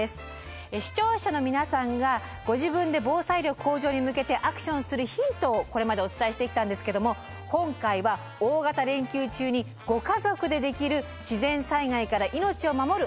視聴者の皆さんがご自分で防災力向上に向けてアクションするヒントをこれまでお伝えしてきたんですけども今回は大型連休中にご家族でできる自然災害から命を守る